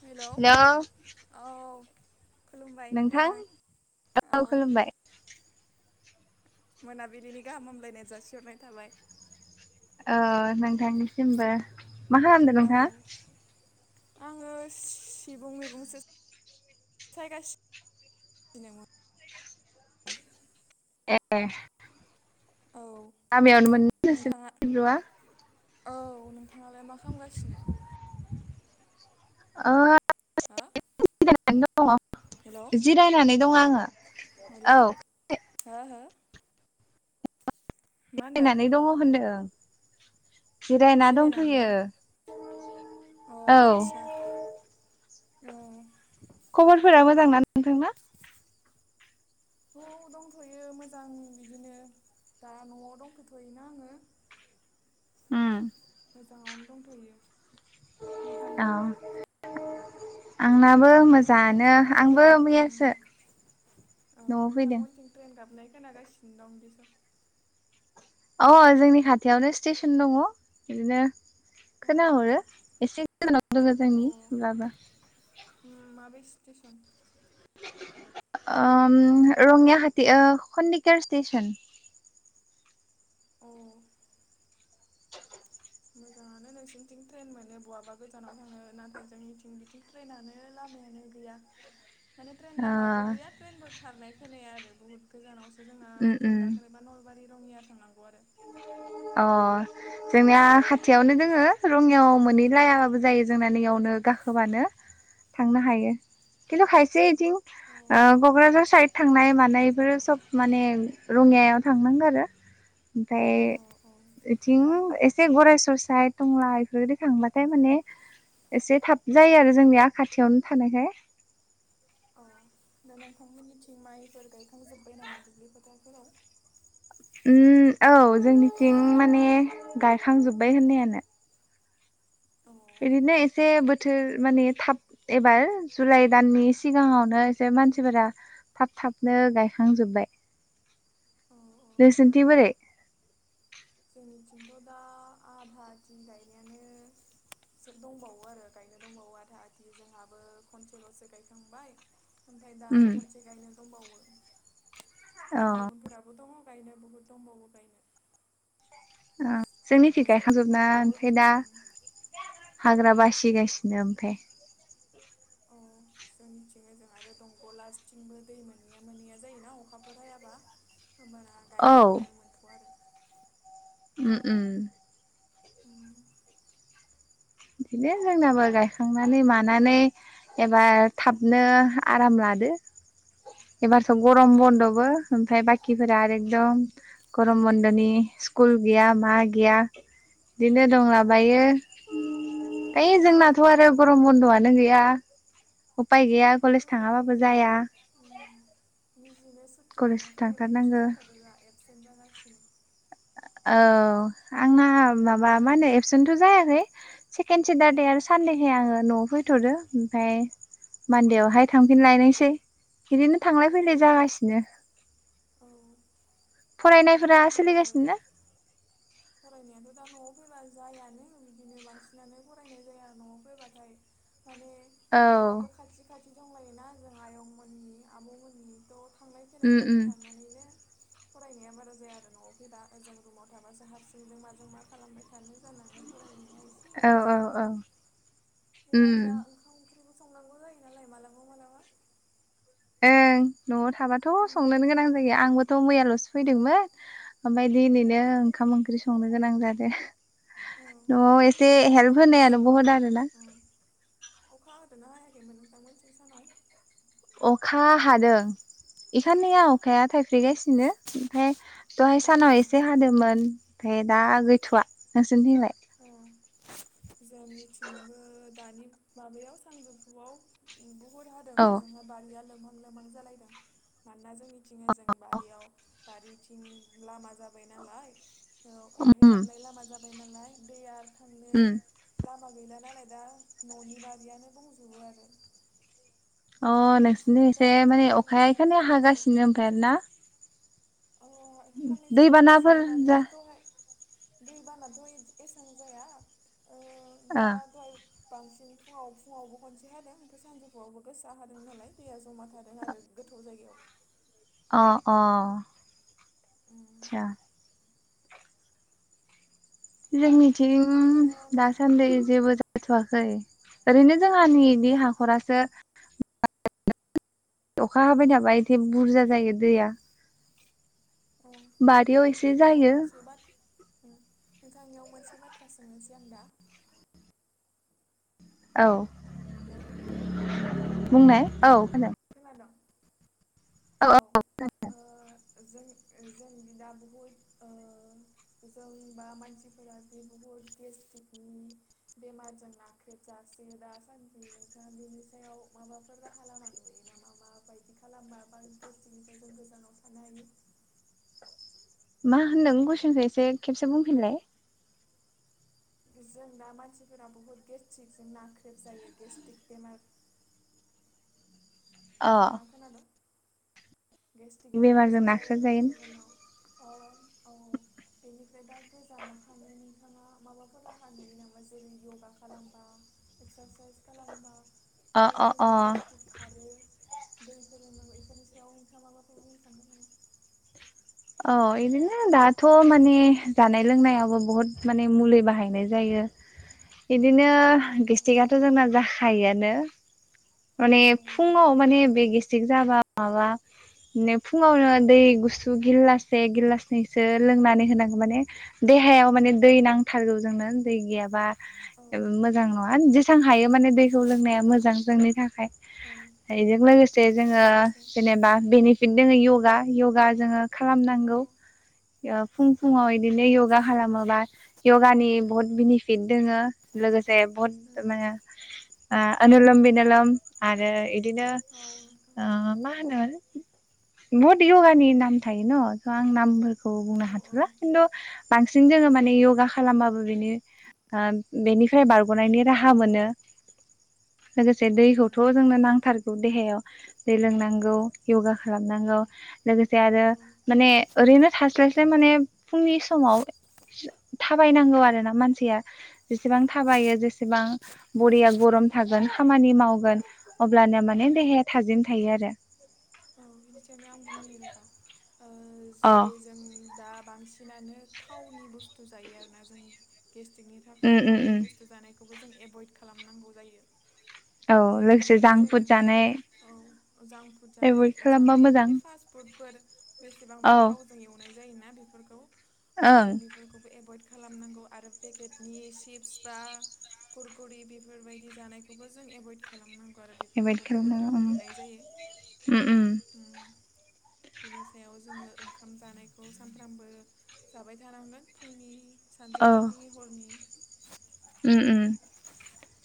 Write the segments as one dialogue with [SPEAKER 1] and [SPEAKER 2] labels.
[SPEAKER 1] हेल'
[SPEAKER 2] hello
[SPEAKER 1] औ खुलुमबाय नोंथां औ मोनाबिलिनि गाहाम हामलायनाय जासिहरनाय थाबाय।
[SPEAKER 2] ओ नोंथांनिसिमबो मा खालामदों नोंथाङा
[SPEAKER 1] औ आङो सिबुं मैगंसो सायगासिनोमोन।
[SPEAKER 2] ए
[SPEAKER 1] औ
[SPEAKER 2] गामियावनो मोनो
[SPEAKER 1] नोंथाङा
[SPEAKER 2] सिब्रुआ
[SPEAKER 1] औ नोंथांङालाय मा खामगासिनो?
[SPEAKER 2] ओ
[SPEAKER 1] हो
[SPEAKER 2] [unintelligible]
[SPEAKER 1] हेलौ
[SPEAKER 2] जिरायनानै दङ आङो।
[SPEAKER 1] हेलौ
[SPEAKER 2] औ
[SPEAKER 1] हो हो मा होनदों
[SPEAKER 2] जिरायनानै दङ होनदों। जिरायना
[SPEAKER 1] जिरायनानै
[SPEAKER 2] दंथ'यो
[SPEAKER 1] दं अ
[SPEAKER 2] औ
[SPEAKER 1] आदसा औ
[SPEAKER 2] खबरफोरा मोजां ना नोंथांना?
[SPEAKER 1] थ दंथ'यो मोजां बिदिनो दा न'आव दंफैथ'योना आङो।
[SPEAKER 2] उम
[SPEAKER 1] मोजाङावनो दंथ'यो।
[SPEAKER 2] अ
[SPEAKER 1] नोंथांनियालाय
[SPEAKER 2] आंनाबो मोजांआनो
[SPEAKER 1] नोंथांमोनथिं ट्रेन
[SPEAKER 2] आंबो
[SPEAKER 1] गाम
[SPEAKER 2] मैयासो
[SPEAKER 1] उम औ
[SPEAKER 2] न'आव फैदों।
[SPEAKER 1] नोंथांमोनथिं ट्रेन गाबनाय खोनागासिनो दं बिस स'
[SPEAKER 2] अ जोंनि खाथियावनो स्टेसन दङ बिदिनो खोनाहरो एसे गोजानाव दोङो
[SPEAKER 1] अ
[SPEAKER 2] जोंनि होमब्लाबो
[SPEAKER 1] उम माबे स्टेसन?
[SPEAKER 2] ओम रङिया हाथि ओ खन्दिकर स्टेसन।
[SPEAKER 1] अ मोजाङानो नोंसिनिथिं ट्रेन मोनो बहाबा गोजानाव थांनो नाथाय जोंनिथिं बिथिं ट्रेनानो लामायानो गैया।
[SPEAKER 2] [inaudible]
[SPEAKER 1] माने ट्रेन
[SPEAKER 2] ओ
[SPEAKER 1] लामाबो गैया ट्रेनबो खारनाय खोनाया आरो बहुत गोजानावसो जोंना
[SPEAKER 2] उम
[SPEAKER 1] ट्रेन
[SPEAKER 2] उम
[SPEAKER 1] गाखोनोबा नल बारि रङिया थांनांगौ आरो
[SPEAKER 2] अ जोंनिया खाथियावनो दोङो रङियाव मोनै लायाबाबो जायो जोंना नैयावनो गाखोबानो थांनो हायो खिन्थु खायसे इथिं
[SPEAKER 1] अ
[SPEAKER 2] ओ क'क्राझार साइद थांनाय मानायफोर सब माने रङियायाव थांनांगो आरो ओमफाय
[SPEAKER 1] औ औ
[SPEAKER 2] इद थिं एसे गराय ससायट टंला एफोरबायदि थांबाथाय माने एसे थाब जायो आरो जोंनिया खाथियावनो थानायखाय।
[SPEAKER 1] अ दा नोंथांमोननिथिं माइफोर गायखांजोब्बाय नामा दुब्लि फोथारफोराव।
[SPEAKER 2] उम औ जोंनिथिं माने गायखांजोब्बाय होननायानो।
[SPEAKER 1] अ
[SPEAKER 2] बिदिनो एसे बोथोर माने थाब। एबार जुलाइ दाननि सिगाङावनो एसे मानसिफोरा। थाब थाबनो गायखांजोब्बाय।
[SPEAKER 1] अ ओ
[SPEAKER 2] नोंसिन्थिं बोरै?
[SPEAKER 1] जोंनिथिंथ' दा आधा आथि गायनायानो सो दंबावो आरो गायनो दंबावो आधा आधि जोंहाबो खनसेल'सो गायखांबाय। ओमफाय दा
[SPEAKER 2] उम
[SPEAKER 1] खनसे गायनो दंबावो
[SPEAKER 2] अ
[SPEAKER 1] गुबुन गुबुनफोराबो दङ। गायनो बुहुद दंबावो गायनो।
[SPEAKER 2] अ जोंनिथि
[SPEAKER 1] ओजों
[SPEAKER 2] गायखांजोबना
[SPEAKER 1] दंग'
[SPEAKER 2] ओमफ्राय दा।
[SPEAKER 1] उम
[SPEAKER 2] हाग्रा बासिगासिनो ओमफ्राय।
[SPEAKER 1] औ जोंनिथिंनो जों आरो दंग' लास्थिंबो दै मोनैया मोनैया जायोना अखाफोर हायाबा होमबाना
[SPEAKER 2] औ
[SPEAKER 1] गायनो मोनथ' आरो
[SPEAKER 2] उम उम
[SPEAKER 1] उम
[SPEAKER 2] बिदिनो जोंनाबो गायखांनानै मानानै एबार थाबनो आराम लादो एबारस'
[SPEAKER 1] अ
[SPEAKER 2] गरम बन्द'बो
[SPEAKER 1] मोजाङानो
[SPEAKER 2] ओमफ्राय बा [unintelligible] खिफोरा आरो एकदम गरम बन्द'नि स्कुल गैया मा गैया बिदिनो
[SPEAKER 1] औ
[SPEAKER 2] दंलाबायो
[SPEAKER 1] औ
[SPEAKER 2] ओइ जोंनाथ' आरो गरम बन्द'आनो गैया उपाय
[SPEAKER 1] औ
[SPEAKER 2] गैया
[SPEAKER 1] नोंथां
[SPEAKER 2] कलेज
[SPEAKER 1] जोंनियाबो
[SPEAKER 2] थाङाबाबो
[SPEAKER 1] गैया
[SPEAKER 2] जाया
[SPEAKER 1] उम निजिनो सुति
[SPEAKER 2] कलेज
[SPEAKER 1] लाना फैनाय बायदिसो
[SPEAKER 2] थांथारनांगो
[SPEAKER 1] जाथ'दों [unintelligible] एबसेन्ट जागासिनो
[SPEAKER 2] औ आंना माबा
[SPEAKER 1] उम
[SPEAKER 2] मा होनो एबसेन्थ' जायाखै सेकेणड सेटारडे आरो
[SPEAKER 1] औ
[SPEAKER 2] सानडे [unintelligible] आङो न'आव फैथ'दो ओमफाय मान्देआवहाय थांफिन लायनोसै बिदिनो थांलाय
[SPEAKER 1] औ
[SPEAKER 2] फैलाय
[SPEAKER 1] औ
[SPEAKER 2] जागासिनो
[SPEAKER 1] औ
[SPEAKER 2] फरायनायफोरा
[SPEAKER 1] माथो बुंनो आरो
[SPEAKER 2] सोलिगासिनो ना?
[SPEAKER 1] फरायनायाथ' दा न'आव फैबा जायानो बिदिनो बांसिनानो फरायनाय जाया न'आव फैबाथाय माने
[SPEAKER 2] औ
[SPEAKER 1] न'आबो खाथि खाथि दंलायोना जों आयंमोननि आबौमोननि त [unintelligible] थांलाय फैलाय
[SPEAKER 2] उम
[SPEAKER 1] जाबाय
[SPEAKER 2] उम
[SPEAKER 1] थांनानैनो फरायनाया [unintelligible] बारा जाया आरो न'आवखै दा ओजों रुमाव थाबासो हारसिंजों माजों मा खालामबाय थानो जानानै फरायनाया एस
[SPEAKER 2] औ
[SPEAKER 1] [unintelligible]
[SPEAKER 2] औ
[SPEAKER 1] जायो
[SPEAKER 2] औ
[SPEAKER 1] बे
[SPEAKER 2] उम
[SPEAKER 1] आरो दा ओंखाम ओंख्रिबो संनांगौ जायो नालाय मालाबा मालाबा
[SPEAKER 2] ओं न'आव थाबाथ' संनोनो गोनां जायो आंबोथ' मैयाल'सो फैदोंमोन ओमफाय दि नैनो ओंखाम ओंख्रि संनो गोनां जादो न एसे
[SPEAKER 1] नोंथांमोनथिं दा अखा
[SPEAKER 2] हेल्प
[SPEAKER 1] हागासि
[SPEAKER 2] होनायानो बहुद आरो ना
[SPEAKER 1] अखा हदोना हायाखैमोन नोंथांमोनथिं सानाव
[SPEAKER 2] अखा हादों इ खाननैया अखाया थाइफ्रिगासिनो ओमफाय दहाय सानाव
[SPEAKER 1] अ
[SPEAKER 2] एसे हादोमोन ओमफाय दा गैथ'वा नोंसोरनिथिं लाय
[SPEAKER 1] अ जोंनिथिंबो दानि माबायाव सानजौफुआव बुहुत हादों
[SPEAKER 2] औ
[SPEAKER 1] ओजोंहा बारिया लोमहां लोमहां जालायदों मानोना जोंनिथिङो जों बारियाव बारिथिं लामा जाबाय नालाय ओ अन्थाइ जाबनाय लामा जाब [unintelligible] बाय नालाय दैया थांनो
[SPEAKER 2] उम
[SPEAKER 1] लामा गैला नालाय दा न'नि बारियानो बुंजोबो आरो
[SPEAKER 2] अ
[SPEAKER 1] गुसुं
[SPEAKER 2] नोंसोरनि
[SPEAKER 1] गुदा
[SPEAKER 2] एसे माने
[SPEAKER 1] मोनफैहां
[SPEAKER 2] अखाया इखायनो
[SPEAKER 1] मोनफैहां औ
[SPEAKER 2] हागासिनो ओमफ्राय आरो ना
[SPEAKER 1] औ सानैसो
[SPEAKER 2] दैबानाफोर
[SPEAKER 1] हागासिनो माने
[SPEAKER 2] जा
[SPEAKER 1] दहाय दै बानाथ'इद एसबां जाया ओ दा
[SPEAKER 2] ओ
[SPEAKER 1] दहाय बांसिन फुङाव फुङावबो खनसे हादों ओमफाय सानजौफुआवबो गोसा हादों नालाय दैया जमा थादों आरो गोथौ जायगायाव
[SPEAKER 2] अ अ
[SPEAKER 1] उम
[SPEAKER 2] जोंनिथिं
[SPEAKER 1] दा नोंथां
[SPEAKER 2] दासान्दै
[SPEAKER 1] उम
[SPEAKER 2] जेबो हाथ'वाखै ओरैनो
[SPEAKER 1] उम
[SPEAKER 2] जोंहानिनि हाख'रासो अखा हाबाय थाबा एसे बुरजा जायो दैया
[SPEAKER 1] औ आं दा
[SPEAKER 2] बारियाव एसे
[SPEAKER 1] नोंथांनियाव
[SPEAKER 2] जायो
[SPEAKER 1] मोनसे बाथ उम नोंथांनियाव मोनसे बाथ्रा सोंनोसै आं दा
[SPEAKER 2] औ
[SPEAKER 1] हेलौ
[SPEAKER 2] बुंनाय औ खोनादों
[SPEAKER 1] खोनादों औ ओ जों ओ जोंनिजों दा बहुद ओ जों बा मानसिफोरा बे बुहुद गेस्ट्रिकनि बेमारजों नाख्रेबजासे दासान्दि नोंथाङा बेनि सायाव माबाफोर राहा लामा नुयो ना मा माबायदि खालामबा गेस्टिकनिफ्राय जों गोजानाव थानो हायो
[SPEAKER 2] मा होनदों गुसुंसो एसे खेबसे बुंफिनलाय
[SPEAKER 1] जों दा मानसिफोरा बुहुत गेस्ट्रिकजों नाख्रेब जायो गेस्ट्रिक बेमार
[SPEAKER 2] अ
[SPEAKER 1] नोंथाङा खोनादों गेस्ट्रिक बेमारजों जे जायो मानसिफोरनाव अ औ बेनिफ्राय दा गोजानाव थानो नोंथाङा माबाफोर राहा नुयो नामा जेरै यगा खालामबा एक्सारसाइस खालामबा
[SPEAKER 2] अ
[SPEAKER 1] बे
[SPEAKER 2] अ
[SPEAKER 1] जोंना
[SPEAKER 2] अ
[SPEAKER 1] गेस्ट्रिक खारो दैफोरो लोंनांगौ बेफोरनि सायाव नोंथाङा मा माफोर बुंनो सानगोन नामा?
[SPEAKER 2] औ बिदिनो दाथ' माने जानाय लोंनायावबो बुहुत माने मुलि बाहायनाय जायो बिदिनो
[SPEAKER 1] औ
[SPEAKER 2] गेस्टिकआथ जोंना जाखायोआनो माने
[SPEAKER 1] औ
[SPEAKER 2] फुङाव
[SPEAKER 1] जायो
[SPEAKER 2] माने बे गेस जाबा माबा फुङावनो दै गुसु गिलाससे गिलासनैसो लोंनानै होनांगौ माने देहायाव माने दै नांथारगौ जोंनो दै गैयाबा
[SPEAKER 1] औ
[SPEAKER 2] मोजां नङा जेसां हायो माने दैखौ लोंनाया मोजां जोंनि थाखाय
[SPEAKER 1] औ
[SPEAKER 2] बेजों लोगोसे जोङो
[SPEAKER 1] बेनोसै
[SPEAKER 2] जेनेबा बेनिफिट दङ योगा योगा जोङो
[SPEAKER 1] औ
[SPEAKER 2] खालामनांगौ फुं
[SPEAKER 1] औ औ
[SPEAKER 2] फुङाव बिदिनो यगा खालामोबा यगानि बहुत बेनिफिट दोङो लोगोसे बहुत
[SPEAKER 1] उम
[SPEAKER 2] माने आ आनलोम बिनलोम आरो बिदिनो
[SPEAKER 1] औ नोंथां
[SPEAKER 2] ओ मा होनो बहुत यगानि नाम थायो न' थ' आं नामफोरखौ बुंनो
[SPEAKER 1] औ औ
[SPEAKER 2] हाथला खिन्थु बांसिन
[SPEAKER 1] औ
[SPEAKER 2] जोङो माने यगा खालामबाबो बिनि ओ बेनिफ्राय बारग'नायनि राहा मोनो लोगोसे
[SPEAKER 1] उम
[SPEAKER 2] दैखौथ'
[SPEAKER 1] उम
[SPEAKER 2] जोंनो नांथारगौ देहायाव दै लोंनांगौ यगा खालामनांगौ लोगोसे आरो
[SPEAKER 1] औ
[SPEAKER 2] माने ओरैनो थास्लायस्लाय माने फुंनि समाव थाबायनांगौ आरोना मानसिया जेसेबां
[SPEAKER 1] औ
[SPEAKER 2] थाबायो जेसेबां बरिया गरम थागोन खामानि मावगोन अब्लानो माने देहाया थाजिम थायो आरो
[SPEAKER 1] औ बिनि सायावनो आं बुंनि रबा ओ
[SPEAKER 2] अ
[SPEAKER 1] जेरै जों दा बांसिनानो थावनि बुस्थु जायो आरोना जों गेस्ट्रिकनि थाखाय
[SPEAKER 2] उम उम
[SPEAKER 1] थावनि
[SPEAKER 2] उम
[SPEAKER 1] बुस्थु जानायखौबो जों एभयड खालामनांगौ जायो
[SPEAKER 2] औ लोगोसे
[SPEAKER 1] जेरैनोखि
[SPEAKER 2] जांक
[SPEAKER 1] जोङो
[SPEAKER 2] फुड
[SPEAKER 1] दा
[SPEAKER 2] जानाय
[SPEAKER 1] औ जांफुद जानाय
[SPEAKER 2] एभयड
[SPEAKER 1] जां
[SPEAKER 2] खालामबा
[SPEAKER 1] फुड
[SPEAKER 2] मोजां
[SPEAKER 1] माने फास्ट फुडफोर बेसेबांबा
[SPEAKER 2] औ
[SPEAKER 1] थावजों एवनाय जायोना बेफोरखौ अ
[SPEAKER 2] ओं
[SPEAKER 1] जों बेफोरखौबो एभयड खालामनांगौ आरो पेकेटनि चिप्स बा खुरखरि बेफोरबायदि जानायखौबो जों एभयड खालामनांगौ आरो बेफोरावबो बुहुत थाव मोननाय जायो
[SPEAKER 2] उ उम
[SPEAKER 1] उम बिनि सायाव जोङो ओंखाम जानायखौ सानफ्रामबो जाबाय थानांगोन फुंनि
[SPEAKER 2] औ
[SPEAKER 1] सानजौफुनि हरनि
[SPEAKER 2] उम उम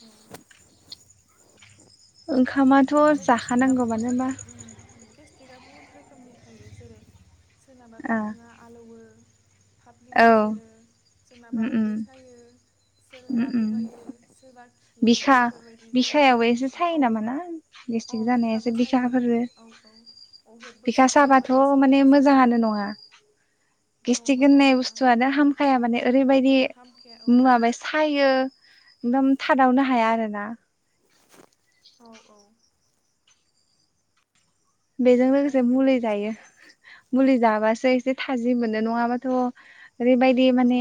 [SPEAKER 1] औ
[SPEAKER 2] ओंखामा
[SPEAKER 1] आरो गेस्ट्रिकआ बुहुत रोखोम उम गेस जेकआ बहुत रोखोमनि थायो जेरै सोरनाबा
[SPEAKER 2] ओ
[SPEAKER 1] बिखुङा
[SPEAKER 2] औ
[SPEAKER 1] आलौयो
[SPEAKER 2] उम उम
[SPEAKER 1] [inaudible]
[SPEAKER 2] उम
[SPEAKER 1] सोरबा
[SPEAKER 2] उम
[SPEAKER 1] गोबायो सोरबा खियो
[SPEAKER 2] बिखा
[SPEAKER 1] बेफोरबायदि जायो आरो ना गेस्टिकआ अ
[SPEAKER 2] गेस्ट्रिक जानायासो बिखा [unintelligible]
[SPEAKER 1] औ औ अहेबबो
[SPEAKER 2] बिखा साबाथ'
[SPEAKER 1] सुखांलाबायो
[SPEAKER 2] माने
[SPEAKER 1] सोरनाबा सोरनाबा
[SPEAKER 2] मोजाङानो नङा।
[SPEAKER 1] औ
[SPEAKER 2] गेस्टिक
[SPEAKER 1] मोजां
[SPEAKER 2] होननाय
[SPEAKER 1] नङा
[SPEAKER 2] बुस्थुआनो
[SPEAKER 1] बिखा
[SPEAKER 2] हामखाया माने ओरैबायदि
[SPEAKER 1] हामखाया औ
[SPEAKER 2] मुवा [unintelligible] सायो एकदम थादावनो हाया आरो ना
[SPEAKER 1] औ औ
[SPEAKER 2] बेजों
[SPEAKER 1] बुहुद
[SPEAKER 2] लोगोसे
[SPEAKER 1] गाज्रि बे
[SPEAKER 2] मुलै जायो।
[SPEAKER 1] गेस्टिकआ
[SPEAKER 2] मुलि जाबासो एसे थाजिम मोनो नङाबाथ' ओरैबायदि
[SPEAKER 1] औ
[SPEAKER 2] माने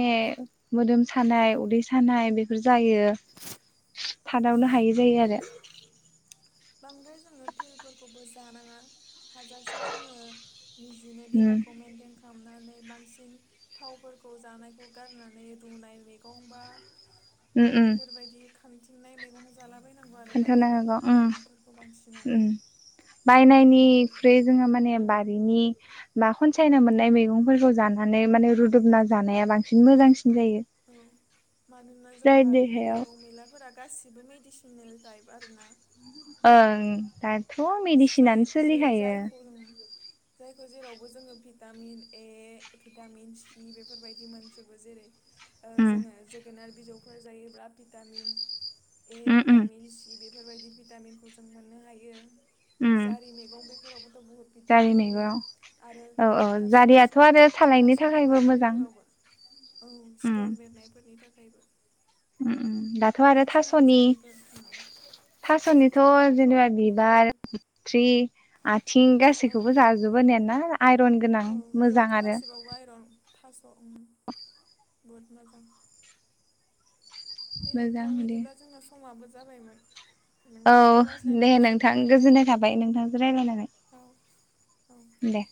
[SPEAKER 2] मोदोम सानाय उदै सानाय बेफोर जायो थादावनो हायै जायो आरो
[SPEAKER 1] बांद्राय जोङो फिल्डफोरखौबो जानाङा हाजासे जोङो निजिनो
[SPEAKER 2] उम
[SPEAKER 1] देहाखौ मेनटेन खामनानै बांसिन थावफोरखौ जानायखौ गारनानै रुनाय मैगं बा
[SPEAKER 2] उम उम
[SPEAKER 1] बेफोरबायदि खांथिंनाय मैगंखौ जा जालाबायनांगौ आरो बारि
[SPEAKER 2] खोन्थानो हागौ
[SPEAKER 1] बालानि
[SPEAKER 2] उम
[SPEAKER 1] मैगंफोरखौ बांसिनानो उम
[SPEAKER 2] ख्रै जोङो माने बारिनि बा खनसायना मोननाय मैगंफोरखौ जानानै माने रुदुबना जानाया बांसिन मोजांसिन जायो।
[SPEAKER 1] औ मानोना जों
[SPEAKER 2] जाय
[SPEAKER 1] बारिनि
[SPEAKER 2] देहायाव
[SPEAKER 1] मैगं मैलाफोरा गासिबो मेडिसिनेल टाइप आरो ना
[SPEAKER 2] ओं
[SPEAKER 1] जाय
[SPEAKER 2] मेडिसिनानो
[SPEAKER 1] जे
[SPEAKER 2] सोलिखायो
[SPEAKER 1] जायखौ जायखौ जेरावबो जोङो भिटामिन ए भिटामिन सि बेफोरबायदि मोनजोबो जेरै ओ
[SPEAKER 2] उम
[SPEAKER 1] जोङो जोगोनार बिजौफोर जायोब्ला भिटामिन ए
[SPEAKER 2] उम उम
[SPEAKER 1] भिटामिन सि [unintelligible] बेफोरबायदि भिटामिनखौ जों मोननो हायो।
[SPEAKER 2] उम
[SPEAKER 1] जारि मैगं बेफोरावबोथ' बुहुत
[SPEAKER 2] जारि
[SPEAKER 1] भिटामिन थायो
[SPEAKER 2] मैगं
[SPEAKER 1] आरो
[SPEAKER 2] औ औ
[SPEAKER 1] थास'
[SPEAKER 2] जारियाथ'
[SPEAKER 1] बिसं
[SPEAKER 2] आरो सालायनो
[SPEAKER 1] थास'
[SPEAKER 2] थाखायबो
[SPEAKER 1] बिबार
[SPEAKER 2] मोजां
[SPEAKER 1] बेफोरावबो औ
[SPEAKER 2] उम
[SPEAKER 1] सिथर बेरनायफोरनि थाखायबो
[SPEAKER 2] उम उम दाथ' आरो
[SPEAKER 1] बांसिनानो
[SPEAKER 2] थास'नि
[SPEAKER 1] जों बेफोर
[SPEAKER 2] थासनिथ'
[SPEAKER 1] थास' औ
[SPEAKER 2] जेनेबा बिबार
[SPEAKER 1] औ
[SPEAKER 2] थ्रि आथिं गासैखौबो जाजोबो नोना
[SPEAKER 1] औ इयावथ' गासिबाव आइरन थास' बहुद मोजां दे नोंथां
[SPEAKER 2] मोजां बिदि
[SPEAKER 1] बिदिब्ला जोंना समाबो जाबायमोन।
[SPEAKER 2] औ
[SPEAKER 1] नोंथांजों रायज्लायना
[SPEAKER 2] दे नोंथां
[SPEAKER 1] गोजोननाय मोनबाय
[SPEAKER 2] गोजोननाय थाबाय नोंथांजों राय्लायनानै
[SPEAKER 1] औ औ
[SPEAKER 2] दे।